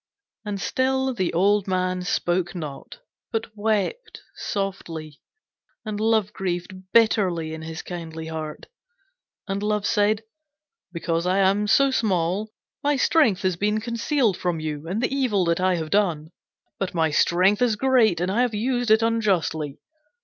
And still the old man spoke not, but wept softly; and Love grieved bitterly in his kindly heart. And Love said: 'Because I am so small my strength has been concealed from you, and the evil that I have done. But my strength is great, and I have used it unjustly.